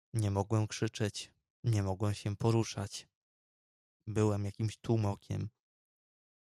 "Nie mogłem krzyczeć, nie mogłem się poruszać... byłem jakimś tłumokiem."